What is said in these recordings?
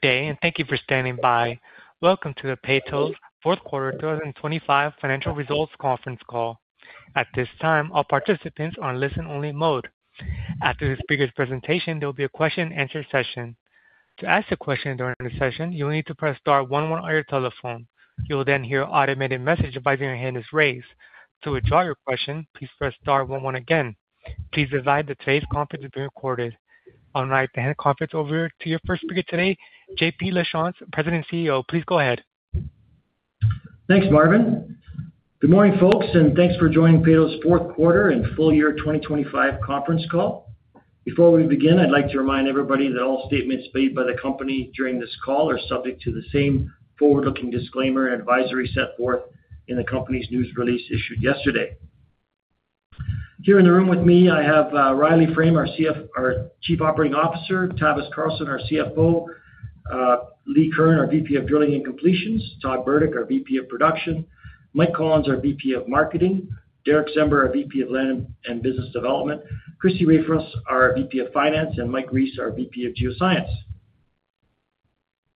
Good day, and thank you for standing by. Welcome to the Peyto's fourth quarter 2025 financial results conference call. At this time, all participants are in listen-only mode. After the speaker's presentation, there will be a question-and-answer session. To ask a question during the session, you will need to press star one one on your telephone. You will then hear an automated message advising your hand is raised. To withdraw your question, please press star one one again. Please be advised that today's conference is being recorded. I'll now hand the conference over to your first speaker today, JP Lachance, President and CEO. Please go ahead. Thanks, Marvin. Good morning, folks, and thanks for joining Peyto's fourth quarter and full year 2025 conference call. Before we begin, I'd like to remind everybody that all statements made by the company during this call are subject to the same forward-looking disclaimer and advisory set forth in the company's news release issued yesterday. Here in the room with me, I have Riley Frame, our Chief Operating Officer, Tavis Carlson, our CFO, Lee Curran, our VP of Drilling and Completions, Todd Burdick, our VP of Production, Michael Collens, our VP of Marketing, Derick Czember, our VP of Land and Business Development, Crissy Rafoss, our VP of Finance, and Mike Rees, our VP of Geoscience.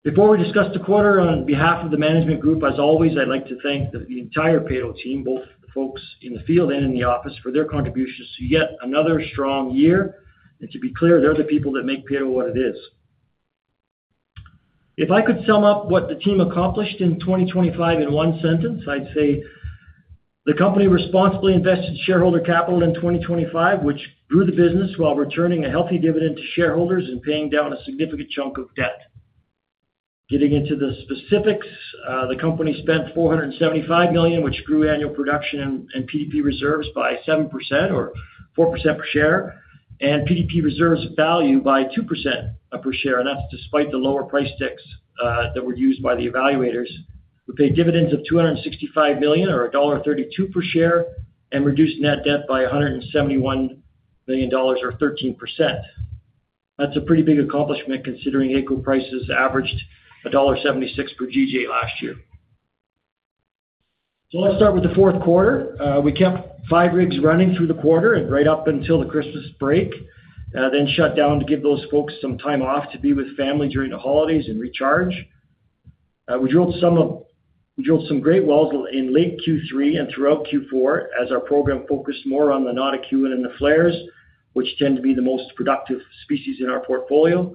Before we discuss the quarter, on behalf of the management group, as always, I'd like to thank the entire Peyto team, both the folks in the field and in the office, for their contributions to yet another strong year. To be clear, they're the people that make Peyto what it is. If I could sum up what the team accomplished in 2025 in one sentence, I'd say the company responsibly invested shareholder capital in 2025, which grew the business while returning a healthy dividend to shareholders and paying down a significant chunk of debt. Getting into the specifics, the company spent 475 million, which grew annual production and PDP reserves by 7% or 4% per share, and PDP reserves value by 2% per share. That's despite the lower price ticks that were used by the evaluators, who paid dividends of 265 million or dollar 1.32 per share and reduced net debt by 171 million dollars or 13%. That's a pretty big accomplishment considering AECO prices averaged dollar 1.76 per GJ last year. Let's start with the fourth quarter. We kept five rigs running through the quarter and right up until the Christmas break, then shut down to give those folks some time off to be with family during the holidays and recharge. We drilled some great wells in late Q3 and throughout Q4 as our program focused more on the Notikewin and the Falher, which tend to be the most productive zones in our portfolio.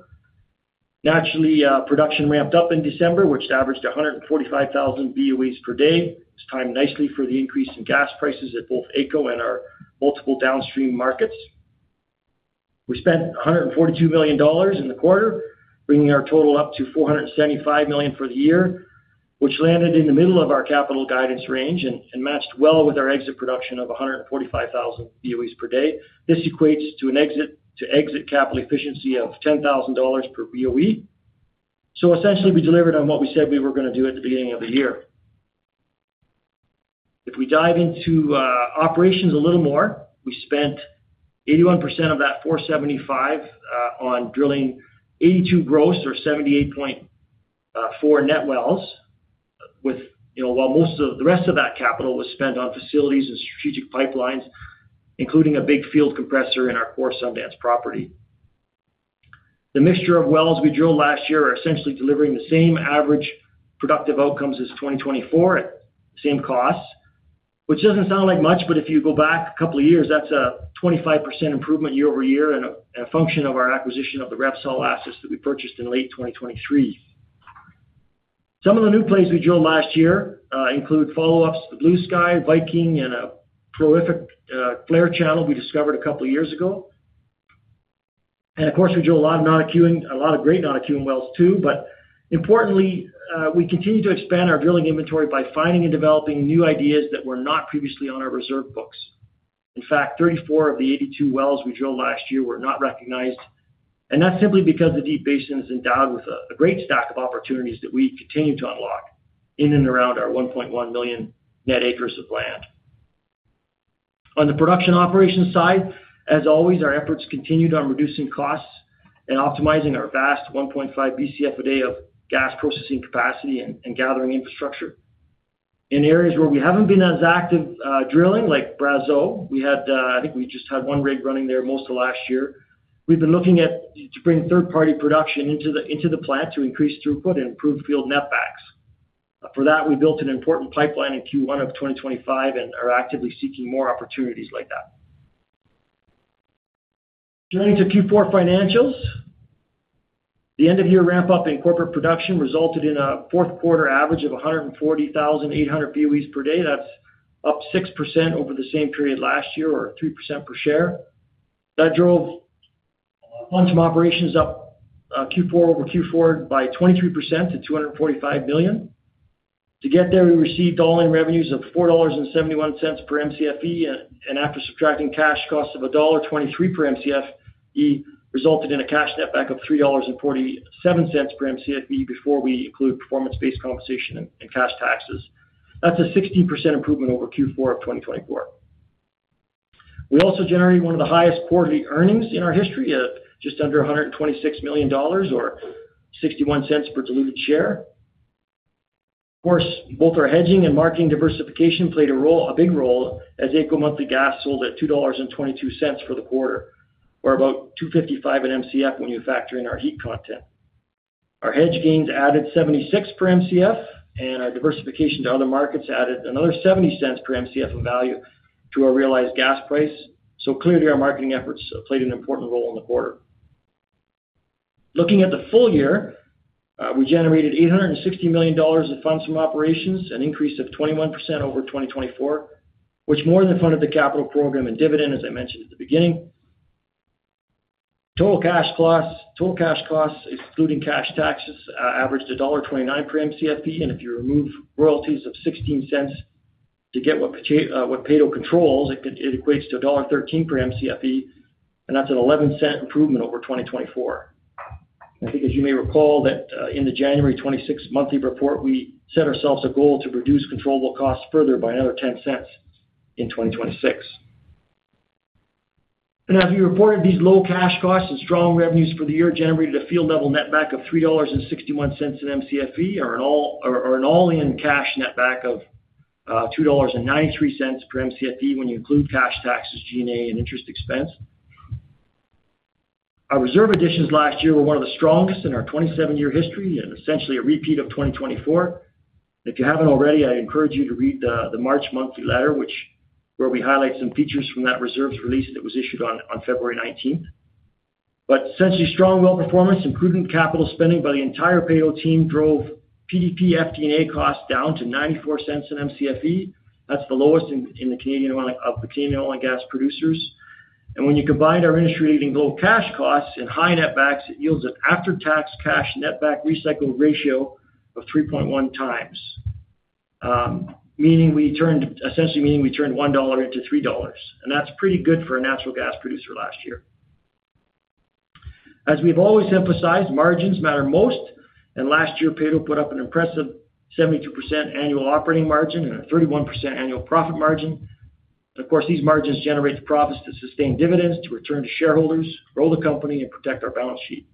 Naturally, production ramped up in December, which averaged 145,000 BOEs per day. It's timed nicely for the increase in gas prices at both AECO and our multiple downstream markets. We spent 142 million dollars in the quarter, bringing our total up to 475 million for the year, which landed in the middle of our capital guidance range and matched well with our exit production of 145,000 BOEs per day. This equates to an exit capital efficiency of 10,000 dollars per BOE. Essentially, we delivered on what we said we were gonna do at the beginning of the year. If we dive into operations a little more, we spent 81% of that 475 on drilling 82 gross or 78.4 net wells with, you know. While most of the rest of that capital was spent on facilities and strategic pipelines, including a big field compressor in our core Sundance property. The mixture of wells we drilled last year are essentially delivering the same average productive outcomes as 2024 at the same cost, which doesn't sound like much, but if you go back a couple of years, that's a 25% improvement year-over-year and a function of our acquisition of the Repsol assets that we purchased in late 2023. Some of the new plays we drilled last year include follow-ups to Bluesky, Viking, and a prolific Falher channel we discovered a couple of years ago. Of course, we drilled a lot of Notikewin, a lot of great Notikewin wells too. Importantly, we continue to expand our drilling inventory by finding and developing new ideas that were not previously on our reserve books. In fact, 34 of the 82 wells we drilled last year were not recognized, and that's simply because the Deep Basin is endowed with a great stack of opportunities that we continue to unlock in and around our 1.1 million net acres of land. On the production operations side, as always, our efforts continued on reducing costs and optimizing our vast 1.5 Bcf a day of gas processing capacity and gathering infrastructure. In areas where we haven't been as active, drilling, like Brazeau, we had, I think we just had one rig running there most of last year. We've been looking at to bring third-party production into the, into the plant to increase throughput and improve field netbacks. For that, we built an important pipeline in Q1 of 2025 and are actively seeking more opportunities like that. Turning to Q4 financials, the end-of-year ramp-up in corporate production resulted in a fourth quarter average of 140,800 BOE per day. That's up 6% over the same period last year or 3% per share. That drove funds from operations up quarter-over-quarter by 23% to 245 million. To get there, we received all-in revenues of 4.71 dollars per Mcfe, and after subtracting cash costs of dollar 1.23 per Mcfe, resulted in a cash netback of 3.47 dollars per Mcfe before we include performance-based compensation and cash taxes. That's a 16% improvement over Q4 of 2024. We also generated one of the highest quarterly earnings in our history at just under 126 million dollars or 0.61 per diluted share. Of course, both our hedging and marketing diversification played a role, a big role as AECO monthly gas sold at 2.22 dollars for the quarter, or about 2.55 at Mcf when you factor in our heat content. Our hedge gains added 0.76 per Mcf, and our diversification to other markets added another 0.70 per Mcf of value to our realized gas price. Clearly, our marketing efforts played an important role in the quarter. Looking at the full year, we generated 860 million dollars in funds from operations, an increase of 21% over 2024, which more than funded the capital program and dividend, as I mentioned at the beginning. Total cash costs, excluding cash taxes, averaged dollar 1.29 per Mcfe, and if you remove royalties of 0.16 to get what Peyto controls, it equates to dollar 1.13 per Mcfe, and that's an 0.11 improvement over 2024. I think as you may recall that, in the January 26th monthly report, we set ourselves a goal to reduce controllable costs further by another 0.10 in 2026. As we reported, these low cash costs and strong revenues for the year generated a field-level netback of 3.61 dollars at Mcfe or an all-in cash netback of 2.93 dollars per Mcfe when you include cash taxes, G&A, and interest expense. Our reserve additions last year were one of the strongest in our 27 year history and essentially a repeat of 2024. If you haven't already, I encourage you to read the March monthly letter, where we highlight some features from that reserves release that was issued on February 19th. Essentially strong well performance, improving capital spending by the entire Peyto team drove PDP FD&A costs down to 0.94/Mcfe. That's the lowest in the Canadian oil and gas producers. When you combine our industry-leading low cash costs and high netbacks, it yields an after-tax cash netback recycled ratio of 3.1x. Essentially meaning we turned 1 dollar into 3 dollars, and that's pretty good for a natural gas producer last year. As we've always emphasized, margins matter most, and last year, Peyto put up an impressive 72% annual operating margin and a 31% annual profit margin. Of course, these margins generate the profits to sustain dividends, to return to shareholders, grow the company, and protect our balance sheet.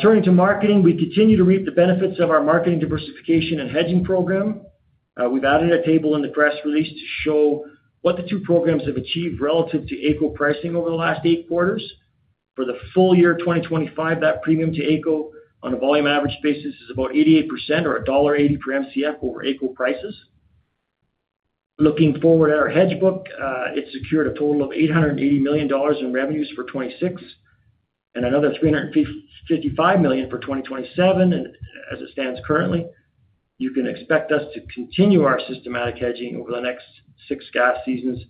Turning to marketing. We continue to reap the benefits of our marketing diversification and hedging program. We've added a table in the press release to show what the two programs have achieved relative to AECO pricing over the last eight quarters. For the full year 2025, that premium to AECO on a volume average basis is about 88% or dollar 1.80 per Mcf over AECO prices. Looking forward at our hedge book, it secured a total of 880 million dollars in revenues for 2026 and another 355 million for 2027. As it stands currently, you can expect us to continue our systematic hedging over the next six gas seasons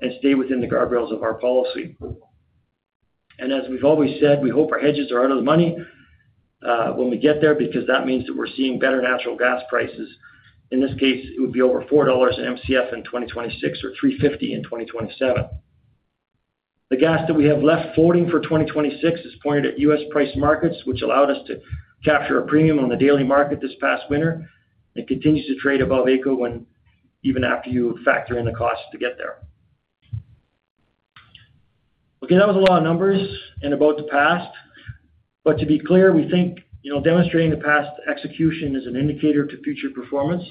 and stay within the guardrails of our policy. As we've always said, we hope our hedges are out of the money when we get there, because that means that we're seeing better natural gas prices. In this case, it would be over 4 dollars/Mcf in 2026 or CAD F3.50/Mcf in 2027. The gas that we have left forward in for 2026 is pointed at U.S. price markets, which allowed us to capture a premium on the daily market this past winter and continues to trade above AECO when, even after you factor in the cost to get there. Okay, that was a lot of numbers and about the past, but to be clear, we think, you know, demonstrating the past execution is an indicator to future performance.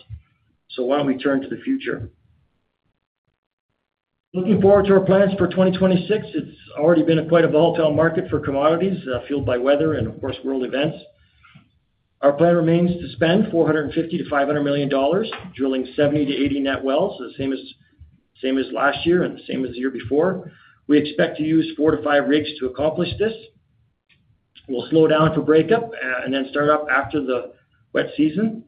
Why don't we turn to the future. Looking forward to our plans for 2026, it's already been quite a volatile market for commodities, fueled by weather and of course, world events. Our plan remains to spend 450 million-500 million dollars, drilling 70-80 net wells, the same as last year and the same as the year before. We expect to use four to five rigs to accomplish this. We'll slow down for breakup and then start up after the wet season.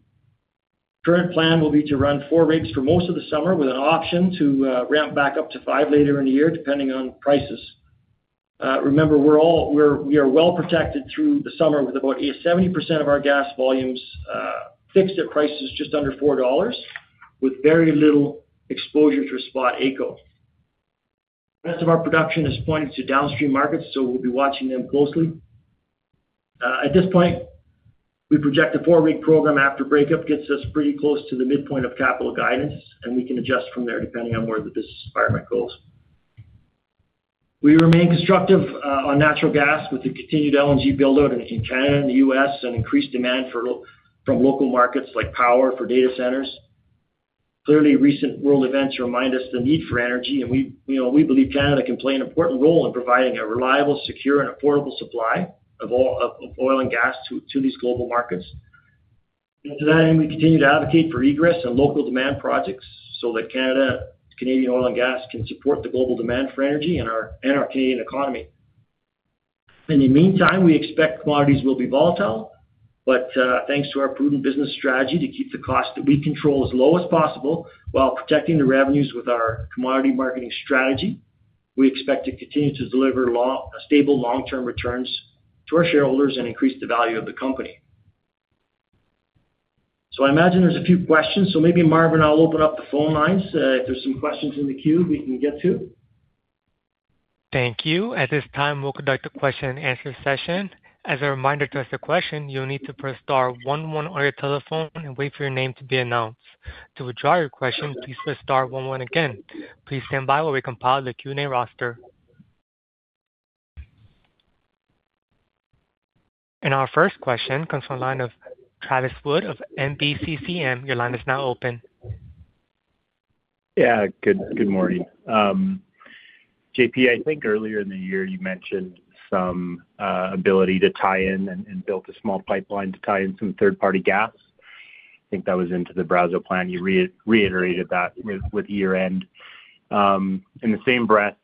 Current plan will be to run four rigs for most of the summer with an option to ramp back up to five later in the year, depending on prices. Remember, we are well protected through the summer with about 70% of our gas volumes fixed at prices just under 4 dollars with very little exposure to spot AECO. Rest of our production is pointed to downstream markets, so we'll be watching them closely. At this point, we project a four rig program after breakup gets us pretty close to the midpoint of capital guidance, and we can adjust from there depending on where the business environment goes. We remain constructive on natural gas with the continued LNG build out in Canada and the U.S. and increased demand from local markets like power for data centers. Clearly, recent world events remind us the need for energy, and we, you know, we believe Canada can play an important role in providing a reliable, secure, and affordable supply of oil and gas to these global markets. To that end, we continue to advocate for egress and local demand projects so that Canadian oil and gas can support the global demand for energy and our Canadian economy. In the meantime, we expect commodities will be volatile, but thanks to our prudent business strategy to keep the cost that we control as low as possible while protecting the revenues with our commodity marketing strategy, we expect to continue to deliver stable long-term returns to our shareholders and increase the value of the company. I imagine there's a few questions. Maybe Marvin, I'll open up the phone lines, if there's some questions in the queue we can get to. Thank you. At this time, we'll conduct a question and answer session. As a reminder to ask a question, you'll need to press star one one on your telephone and wait for your name to be announced. To withdraw your question, please press star one one again. Please stand by while we compile the Q&A roster. Our first question comes from the line of Travis Wood of National Bank Financial. Your line is now open. Yeah. Good morning. JP, I think earlier in the year you mentioned some ability to tie in and build a small pipeline to tie in some third-party gas. I think that was into the Brazeau plan. You reiterated that with year-end. In the same breath,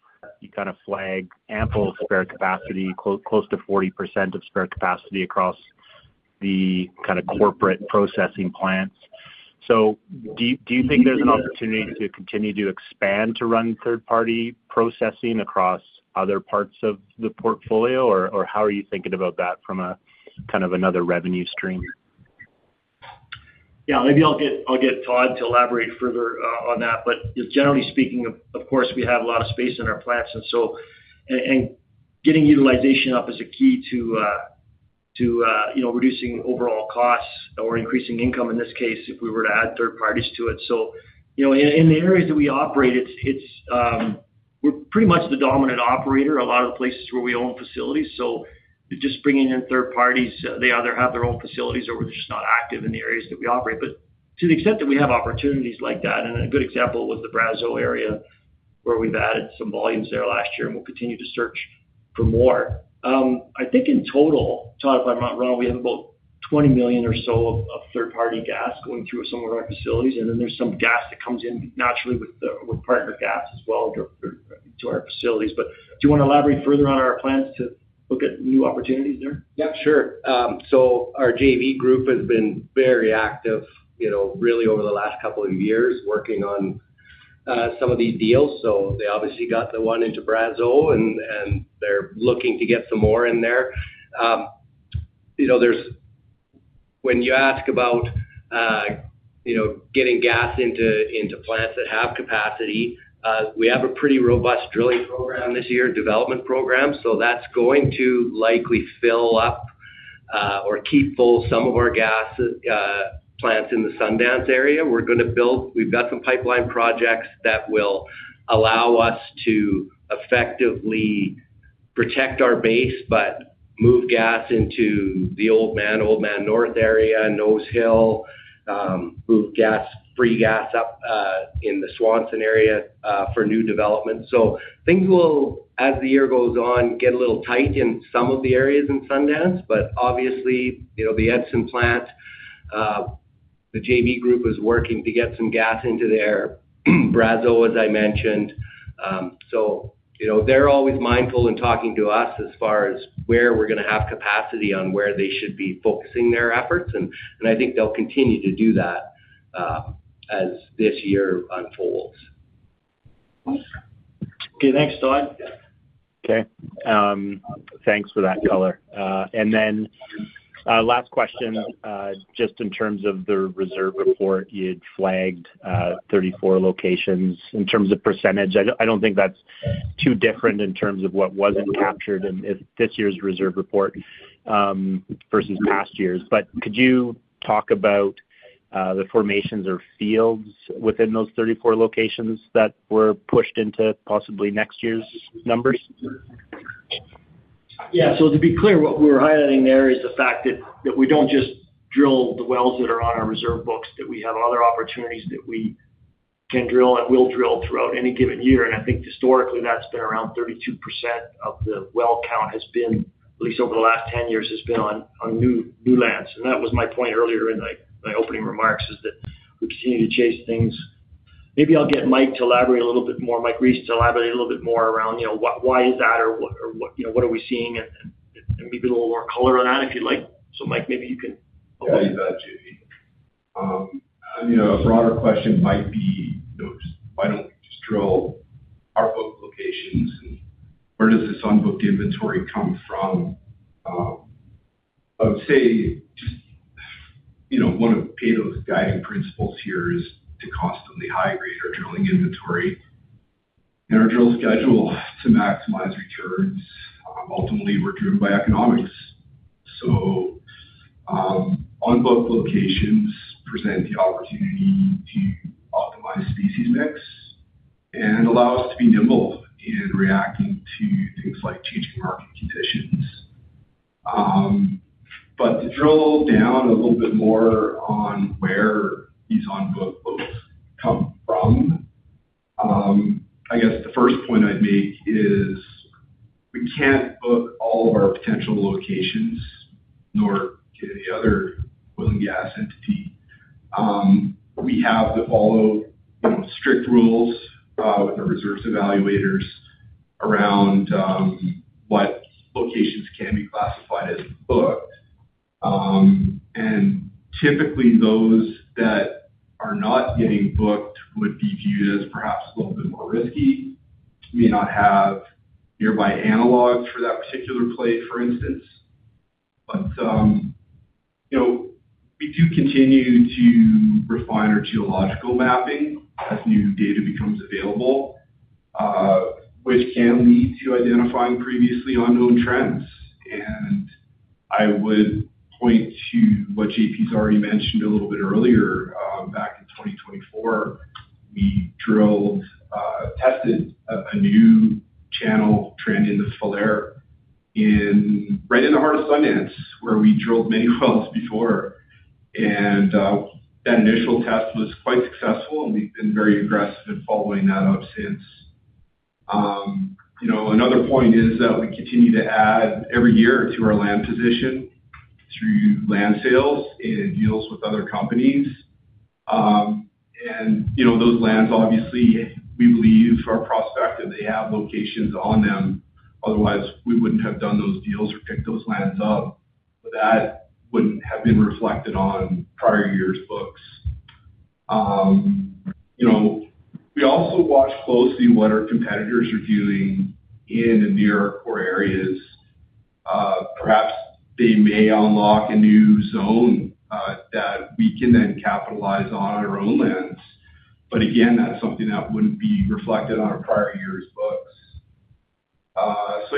you kind of flagged ample spare capacity close to 40% of spare capacity across the kind of corporate processing plants. Do you think there's an opportunity to continue to expand to run third-party processing across other parts of the portfolio? Or how are you thinking about that from a kind of another revenue stream? Yeah. Maybe I'll get Todd to elaborate further on that. Generally speaking, of course, we have a lot of space in our plants and so. Getting utilization up is a key to you know, reducing overall costs or increasing income in this case, if we were to add third parties to it. You know, in the areas that we operate, we're pretty much the dominant operator in a lot of the places where we own facilities. Just bringing in third parties, they either have their own facilities or we're just not active in the areas that we operate. To the extent that we have opportunities like that, and a good example was the Brazeau area, where we've added some volumes there last year, and we'll continue to search for more. I think in total, Todd, if I'm not wrong, we have about 20 million or so of third-party gas going through some of our facilities, and then there's some gas that comes in naturally with partner gas as well to our facilities. Do you wanna elaborate further on our plans to look at new opportunities there? Yeah, sure. Our JV group has been very active, you know, really over the last couple of years working on some of these deals. They obviously got the one into Brazeau, and they're looking to get some more in there. You know, when you ask about getting gas into plants that have capacity, we have a pretty robust drilling program this year, development program, so that's going to likely fill up or keep full some of our gas plants in the Sundance area. We're gonna build. We've got some pipeline projects that will allow us to effectively protect our base, but move gas into the Old Man North area, Nose Hill, move free gas up in the Swanson area for new development. Things will, as the year goes on, get a little tight in some of the areas in Sundance, but obviously, you know, the Edson plant, the JV group is working to get some gas into there. Brazeau, as I mentioned. You know, they're always mindful in talking to us as far as where we're gonna have capacity on where they should be focusing their efforts. I think they'll continue to do that, as this year unfolds. Okay, thanks, Todd. Yeah. Okay. Thanks for that color. Last question, just in terms of the reserve report, you had flagged 34 locations. In terms of percentage, I don't think that's too different in terms of what wasn't captured in this year's reserve report, versus past years. Could you talk about the formations or fields within those 34 locations that were pushed into possibly next year's numbers? Yeah. To be clear, what we were highlighting there is the fact that we don't just drill the wells that are on our reserve books, that we have other opportunities that we can drill and will drill throughout any given year. I think historically, that's been around 32% of the well count has been, at least over the last 10 years, on new lands. That was my point earlier in my opening remarks, is that we continue to chase things. Maybe I'll get Mike Rees to elaborate a little bit more around, you know, why is that or what, you know, what are we seeing, and maybe a little more color on that, if you'd like. Mike, maybe you can- Yeah. You bet, JP. I mean, a broader question might be, you know, just why don't we just drill our booked locations? Where does this unbooked inventory come from? I would say just, you know, one of Peyto's guiding principles here is to constantly high-grade our drilling inventory and our drill schedule to maximize returns. Ultimately, we're driven by economics. Unbooked locations present the opportunity to optimize spending mix and allow us to be nimble in reacting to things like changing market conditions. To drill down a little bit more on where these unbooked locations come from, I guess the first point I'd make is we can't book all of our potential locations, nor can any other oil and gas entity. We have to follow, you know, strict rules with our reserves evaluators around what locations can be classified as booked. Typically, those that are not getting booked would be viewed as perhaps a little bit more risky, may not have nearby analogs for that particular play, for instance. You know, we do continue to refine our geological mapping as new data becomes available, which can lead to identifying previously unknown trends. I would point to what JP's already mentioned a little bit earlier. Back in 2024, we drilled, tested a new channel trend in the Falher right in the heart of Sundance, where we drilled many wells before. That initial test was quite successful, and we've been very aggressive in following that up since. You know, another point is that we continue to add every year to our land position through land sales and deals with other companies. You know, those lands, obviously, we believe are prospective, they have locations on them. Otherwise, we wouldn't have done those deals or picked those lands up. That wouldn't have been reflected on prior years' books. You know, we also watch closely what our competitors are doing in and near our core areas. Perhaps they may unlock a new zone that we can then capitalize on our own lands. Again, that's something that wouldn't be reflected on our prior years' books.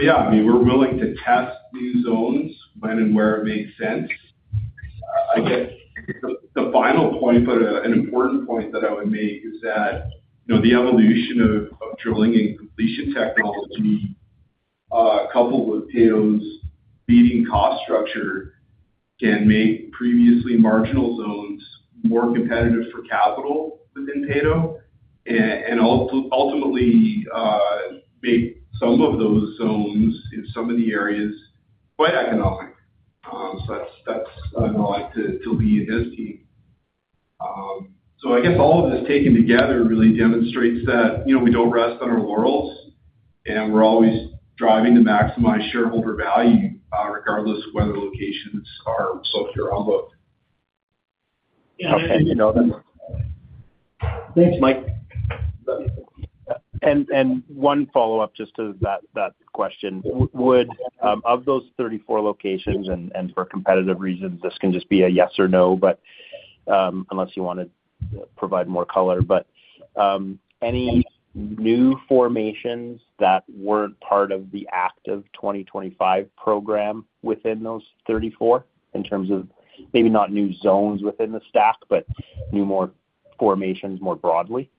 Yeah, I mean, we're willing to test new zones when and where it makes sense. I guess the final point, but an important point that I would make is that you know the evolution of drilling and completion technology coupled with Peyto's leading cost structure can make previously marginal zones more competitive for capital within Peyto and also ultimately make some of those zones in some of the areas quite economic. That's I know I like to lead his team. I guess all of this taken together really demonstrates that, you know, we don't rest on our laurels, and we're always driving to maximize shareholder value, regardless of whether locations are soaked or on book. Okay. You know that. Thanks, Mike. One follow-up just to that question. Would of those 34 locations, for competitive reasons, this can just be a yes or no, but unless you wanna provide more color. Any new formations that weren't part of the active 2025 program within those 34 in terms of maybe not new zones within the stack, but new, more formations more broadly?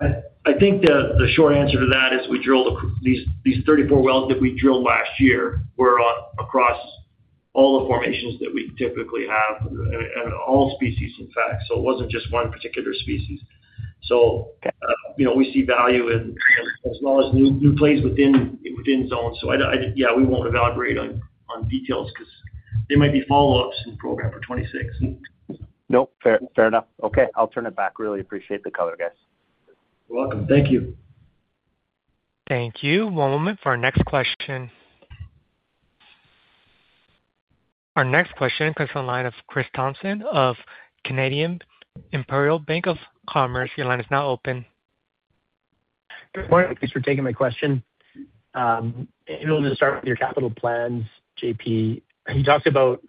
I think the short answer to that is we drilled these 34 wells that we drilled last year were across all the formations that we typically have and all species, in fact. It wasn't just one particular species. You know, we see value in assets as small as new plays within zones. Yeah, we won't elaborate on details 'cause they might be follow-ups in program for 2026. Nope. Fair, fair enough. Okay. I'll turn it back. Really appreciate the color, guys. You're welcome. Thank you. Thank you. One moment for our next question. Our next question comes on line of Chris Thompson of Canadian Imperial Bank of Commerce, your line is now open. Good morning. Thanks for taking my question. If you want me to start with your capital plans, JP, you talked about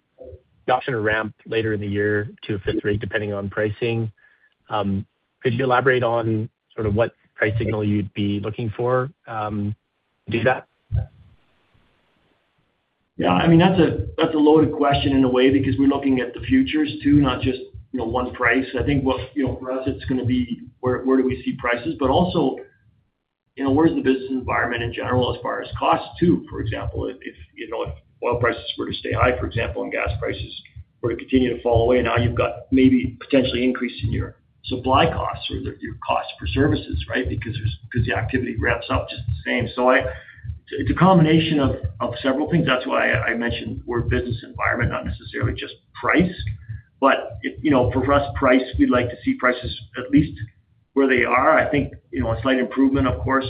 the option to ramp later in the year to a fifth rig depending on pricing. Could you elaborate on sort of what price signal you'd be looking for, to do that? Yeah. I mean, that's a loaded question in a way because we're looking at the futures too, not just, you know, one price. I think, you know, for us, it's gonna be where we see prices, but also, you know, where's the business environment in general as far as costs too. For example, if, you know, if oil prices were to stay high, for example, and gas prices were to continue to fall away, now you've got maybe potential increase in your supply costs or your cost of services, right? Because the activity ramps up just the same. It's a combination of several things. That's why I mentioned the word business environment, not necessarily just price. If, you know, for us, price, we'd like to see prices at least where they are. I think, you know, a slight improvement, of course,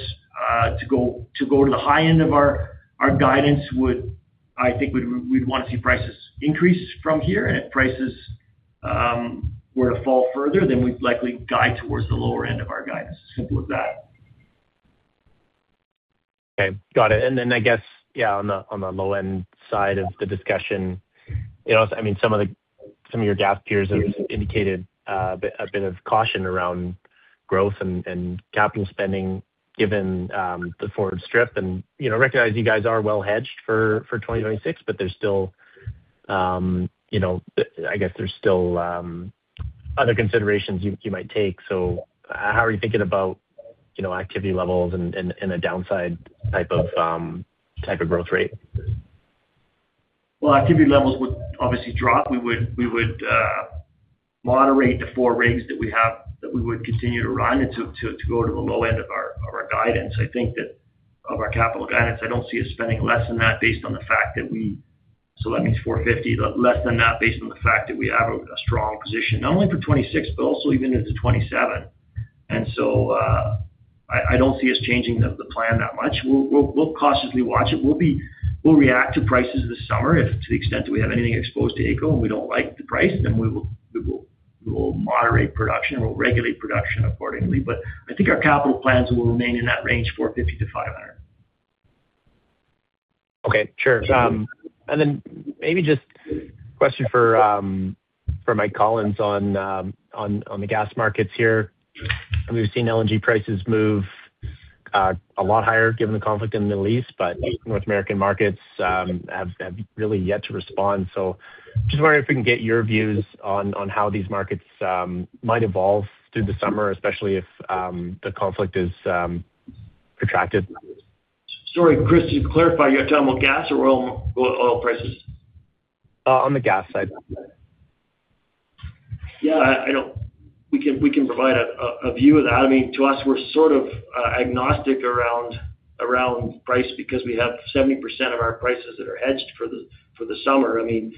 to go to the high end of our guidance would. I think we'd wanna see prices increase from here. If prices were to fall further, then we'd likely guide towards the lower end of our guidance. Simple as that. Okay. Got it. I guess, yeah, on the low-end side of the discussion, you know, I mean, some of your gas peers have indicated a bit of caution around growth and capital spending given the forward strip. You know, recognize you guys are well hedged for 2026, but there's still, you know, I guess there's still other considerations you might take. How are you thinking about, you know, activity levels and a downside type of growth rate? Well, activity levels would obviously drop. We would moderate the four rigs that we have that we would continue to run and to go to the low end of our guidance. I think, of our capital guidance, I don't see us spending less than CAD 450 based on the fact that we have a strong position, not only for 2026, but also even into 2027. I don't see us changing the plan that much. We'll cautiously watch it. We'll react to prices this summer if, to the extent that we have anything exposed to AECO and we don't like the price, then we will moderate production, and we'll regulate production accordingly. I think our capital plans will remain in that range, 450-500. Okay. Sure. Then maybe just question for Michael Collens on the gas markets here. We've seen LNG prices move a lot higher given the conflict in the Middle East, but North American markets have really yet to respond. Just wondering if we can get your views on how these markets might evolve through the summer, especially if the conflict is protracted. Sorry, Chris, to clarify, you're talking about gas or oil prices? On the gas side. We can provide a view of that. I mean, to us, we're sort of agnostic around price because we have 70% of our prices that are hedged for the summer. I mean,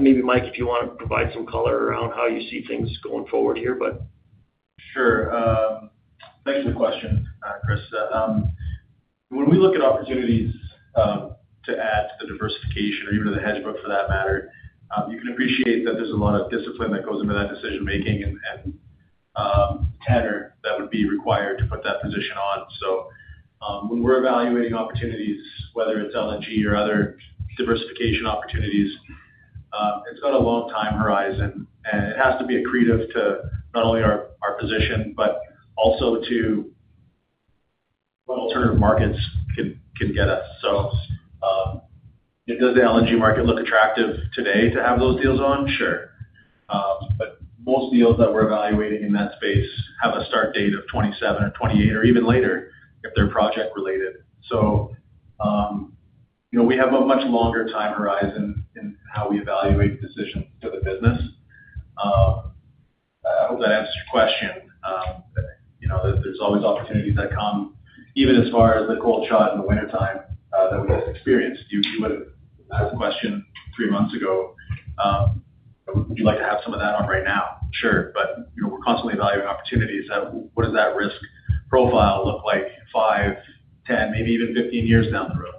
maybe Mike, if you wanna provide some color around how you see things going forward here. Sure. Thanks for the question, Chris. When we look at opportunities to add to the diversification or even to the hedge book for that matter, you can appreciate that there's a lot of discipline that goes into that decision-making and tenor that would be required to put that position on. When we're evaluating opportunities, whether it's LNG or other diversification opportunities, it's got a long time horizon, and it has to be accretive to not only our position, but also to what alternative markets can get us. Does the LNG market look attractive today to have those deals on? Sure. But most deals that we're evaluating in that space have a start date of 2027 or 2028 or even later if they're project related. you know, we have a much longer time horizon in how we evaluate decisions for the business. I hope that answers your question. you know, there's always opportunities that come even as far as the cold shot in the wintertime, that we just experienced. If you would've asked the question three months ago, would you like to have some of that on right now? Sure. you know, we're constantly evaluating opportunities. What does that risk profile look like five, 10, maybe even 15 years down the road?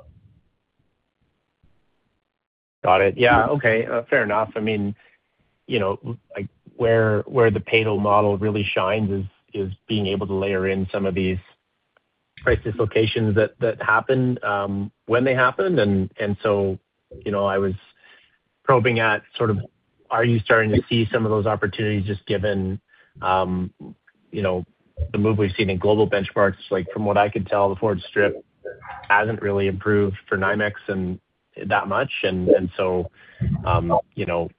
Got it. Yeah. Okay. Fair enough. I mean, you know, like, where the Peyto model really shines is being able to layer in some of these price dislocations that happen when they happen. You know, I was probing at sort of are you starting to see some of those opportunities just given, you know, the move we've seen in global benchmarks. Like, from what I could tell, the forward strip hasn't really improved for NYMEX and that much. You know,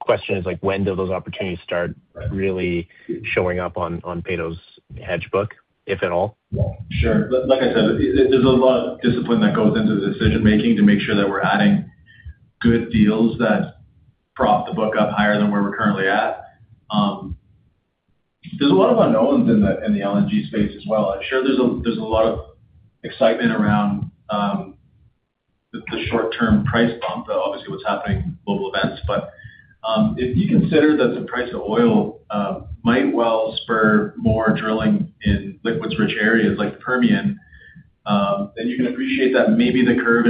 question is like when do those opportunities start really showing up on Peyto's hedge book, if at all? Sure. Like I said, there's a lot of discipline that goes into the decision-making to make sure that we're adding good deals that prop the book up higher than where we're currently at. There's a lot of unknowns in the LNG space as well. Sure, there's a lot of excitement around the short-term price bump, obviously what's happening with global events. If you consider that the price of oil might well spur more drilling in liquids-rich areas like Permian, then you can appreciate that maybe the curve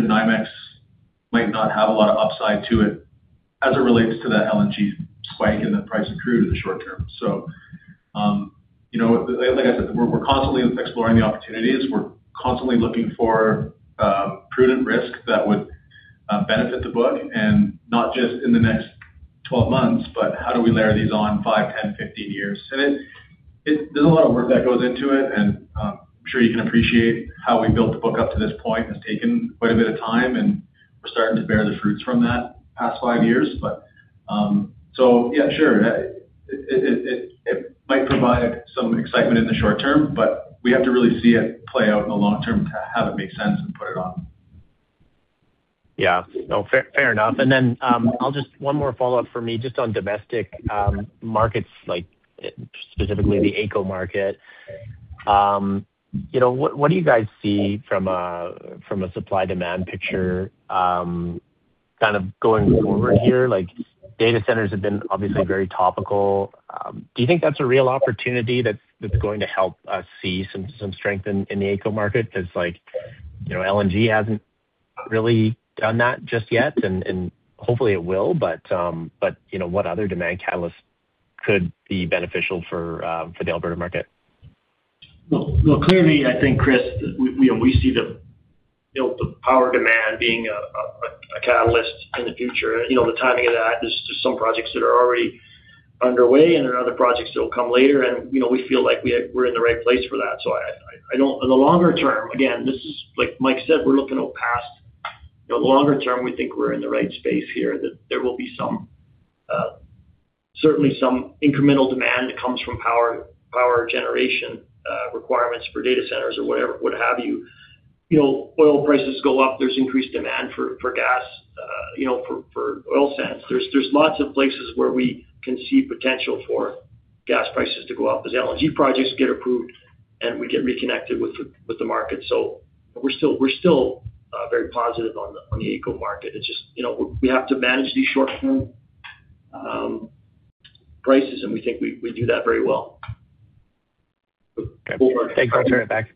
in NYMEX might not have a lot of upside to it as it relates to that LNG spike and the price of crude in the short term. You know, like I said, we're constantly exploring the opportunities. We're constantly looking for prudent risk that would benefit the book and not just in the next 12 months, but how do we layer these on five, 10, 15 years. There's a lot of work that goes into it, and I'm sure you can appreciate how we built the book up to this point. It's taken quite a bit of time, and we're starting to bear the fruits from that past five years. Yeah, sure. It might provide some excitement in the short term, but we have to really see it play out in the long term to have it make sense and put it on. Yeah. No, fair enough. Then, I'll just one more follow-up for me, just on domestic markets, like specifically the AECO market. You know, what do you guys see from a supply-demand picture, kind of going forward here? Like, data centers have been obviously very topical. Do you think that's a real opportunity that's going to help us see some strength in the AECO market? Because like, you know, LNG hasn't really done that just yet, and hopefully it will. You know, what other demand catalysts could be beneficial for the Alberta market? Well, clearly, I think, Chris, we see the, you know, the power demand being a catalyst in the future. You know, the timing of that, there's some projects that are already underway, and there are other projects that will come later. You know, we feel like we're in the right place for that. I don't. In the longer term, again, this is like Mike said, we're looking out past. You know, longer term, we think we're in the right space here, that there will be some certainly some incremental demand that comes from power generation requirements for data centers or whatever, what have you. You know, oil prices go up, there's increased demand for gas, you know, for oil sands. There's lots of places where we can see potential for gas prices to go up as LNG projects get approved, and we get reconnected with the market. We're still very positive on the AECO market. It's just, you know, we have to manage these short-term prices, and we think we do that very well. Okay. Thanks, Chris. Right back.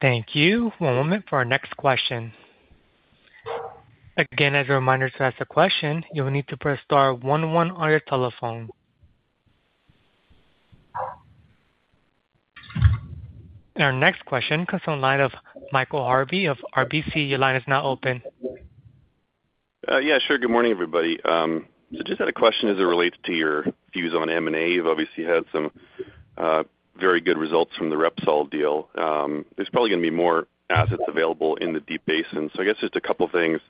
Thank you. One moment for our next question. Again, as a reminder, to ask a question, you will need to press star one one on your telephone. Our next question comes from the line of Michael Harvey of RBC. Your line is now open. Yeah, sure. Good morning, everybody. I just had a question as it relates to your views on M&A. You've obviously had some very good results from the Repsol deal. There's probably gonna be more assets available in the Deep Basin. I guess just a couple things.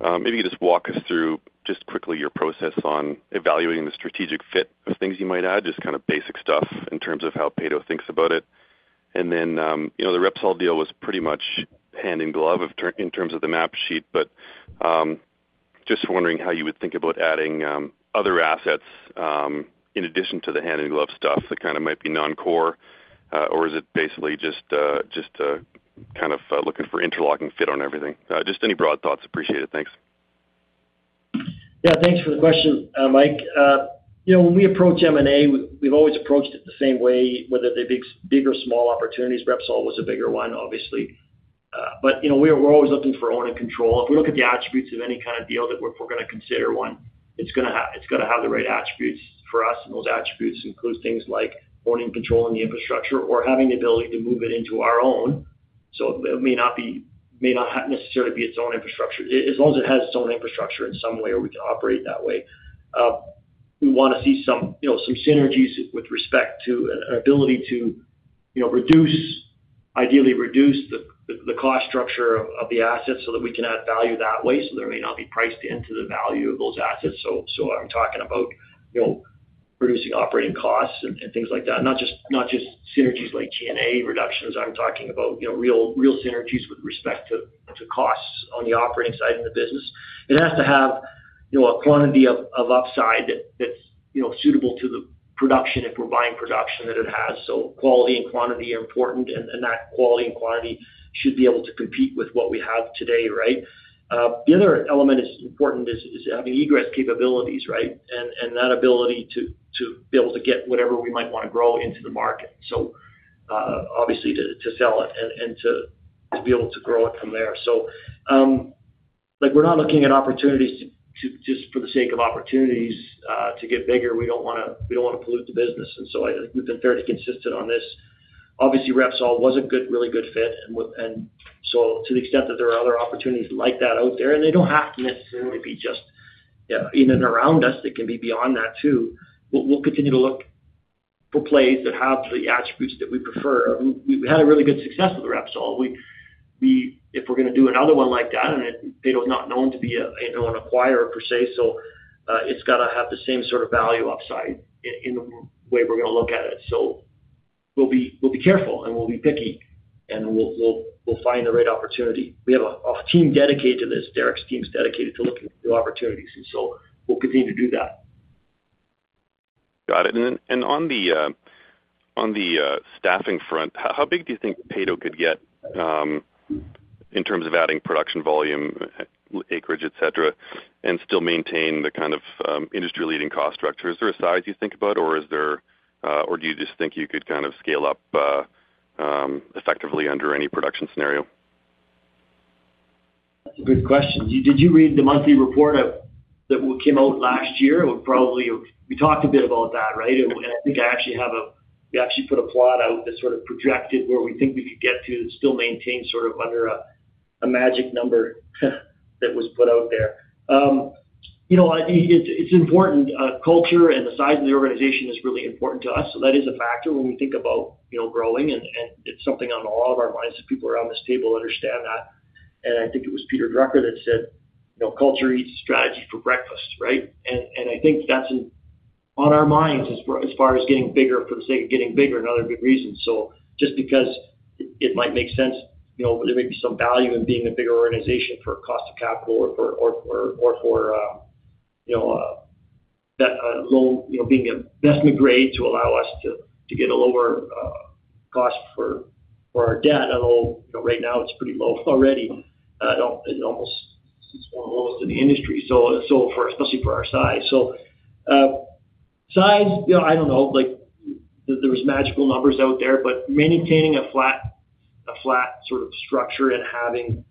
Maybe you just walk us through just quickly your process on evaluating the strategic fit of things you might add, just kind of basic stuff in terms of how Peyto thinks about it. You know, the Repsol deal was pretty much hand in glove in terms of the map sheet, but just wondering how you would think about adding other assets in addition to the hand-in-glove stuff that kinda might be non-core, or is it basically just a kind of looking for interlocking fit on everything? Just any broad thoughts. Appreciate it. Thanks. Yeah, thanks for the question, Mike. You know, when we approach M&A, we've always approached it the same way, whether they're big or small opportunities. Repsol was a bigger one, obviously. You know, we're always looking for own and control. If we look at the attributes of any kind of deal that we're gonna consider one, it's gonna have the right attributes for us, and those attributes includes things like owning control in the infrastructure or having the ability to move it into our own. It may not necessarily be its own infrastructure. As long as it has its own infrastructure in some way or we can operate that way. We wanna see some, you know, some synergies with respect to an ability to, you know, ideally reduce the cost structure of the assets so that we can add value that way, so there may not be priced into the value of those assets. So I'm talking about, you know, reducing operating costs and things like that, not just synergies like G&A reductions. I'm talking about, you know, real synergies with respect to costs on the operating side of the business. It has to have, you know, a quantity of upside that's, you know, suitable to the production, if we're buying production that it has. So quality and quantity are important, and that quality and quantity should be able to compete with what we have today, right? The other element is important, I mean, egress capabilities, right? That ability to be able to get whatever we might wanna grow into the market. Obviously to sell it and to be able to grow it from there. Like, we're not looking at opportunities to just for the sake of opportunities to get bigger. We don't wanna pollute the business. We've been fairly consistent on this. Obviously, Repsol was a good, really good fit and so to the extent that there are other opportunities like that out there, and they don't have to necessarily be just in and around us, they can be beyond that too, we'll continue to look for plays that have the attributes that we prefer. We had a really good success with Repsol. If we're gonna do another one like that, and Peyto is not known to be a, you know, an acquirer per se, so it's gotta have the same sort of value upside in the way we're gonna look at it. We'll be careful, and we'll be picky, and we'll find the right opportunity. We have a team dedicated to this. Derick's team is dedicated to looking for opportunities, and so we'll continue to do that. Got it. On the staffing front, how big do you think Peyto could get in terms of adding production volume, acreage, et cetera, and still maintain the kind of industry-leading cost structure? Is there a size you think about, or do you just think you could kind of scale up effectively under any production scenario? That's a good question. Did you read the monthly report that we came out last year? It would probably. We talked a bit about that, right? I think I actually we actually put a plot out that sort of projected where we think we could get to and still maintain sort of under a magic number that was put out there. You know, it's important, culture and the size of the organization is really important to us. That is a factor when we think about, you know, growing and it's something on all of our minds, the people around this table understand that. I think it was Peter Drucker that said, you know, "Culture eats strategy for breakfast," right? I think that's in. On our minds as far as getting bigger for the sake of getting bigger, another good reason. Just because it might make sense, you know, there may be some value in being a bigger organization for cost of capital or for debt, loan, you know, being investment grade to allow us to get a lower cost for our debt. Although, you know, right now it's pretty low already. It's almost in the industry, so, especially for our size. Size, you know, I don't know, like, there is magical numbers out there, but maintaining a flat sort of structure and having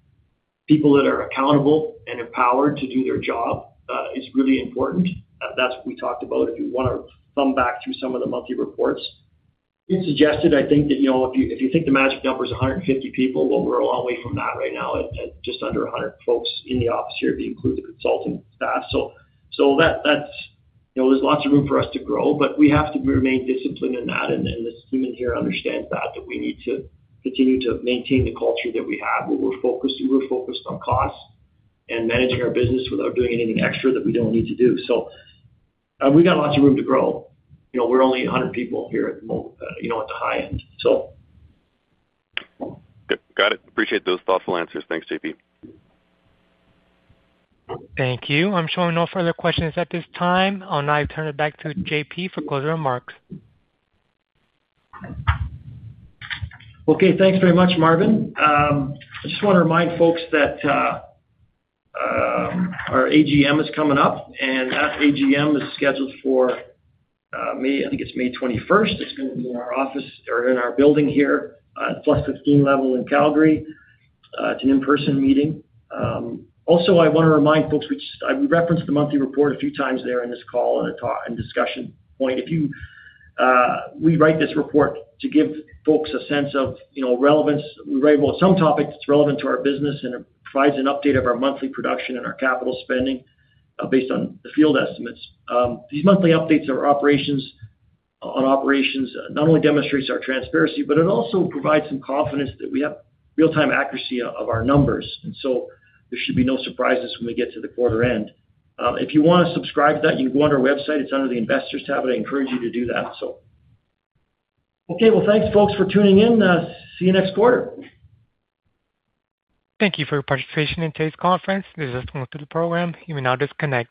people that are accountable and empowered to do their job is really important. That's what we talked about. If you wanna thumb back through some of the monthly reports. It's suggested, I think that, you know, if you think the magic number is 150 people, well, we're a long way from that right now at just under 100 folks in the office here, if you include the consulting staff. You know, there's lots of room for us to grow, but we have to remain disciplined in that, and this team in here understands that we need to continue to maintain the culture that we have, where we're focused on costs and managing our business without doing anything extra that we don't need to do. We got lots of room to grow. You know, we're only 100 people here at the high end, so. Good. Got it. Appreciate those thoughtful answers. Thanks, JP. Thank you. I'm showing no further questions at this time. I'll now turn it back to JP for closing remarks. Okay, thanks very much, Marvin. I just wanna remind folks that our AGM is coming up, and that AGM is scheduled for May, I think it's May 21st. It's gonna be in our office or in our building here on Plus 15 level in Calgary. It's an in-person meeting. Also, I wanna remind folks, which I referenced the monthly report a few times there in this call and talk and discussion point. We write this report to give folks a sense of, you know, relevance. We write about some topics that's relevant to our business, and it provides an update of our monthly production and our capital spending, based on the field estimates. These monthly updates of our operations not only demonstrates our transparency, but it also provides some confidence that we have real-time accuracy of our numbers. There should be no surprises when we get to the quarter end. If you wanna subscribe to that, you can go on our website. It's under the Investors tab, and I encourage you to do that, so. Okay, well, thanks folks for tuning in. See you next quarter. Thank you for your participation in today's conference. This is the end of the program. You may now disconnect.